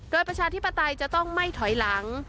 โดยประชาธิปไตยจะต้องไม่ถอยหลัง